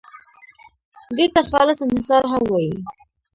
دې ته خالص انحصار هم وایي.